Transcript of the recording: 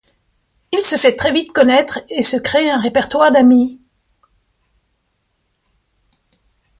Il se fait très vite connaitre et se crée un répertoire d'amis.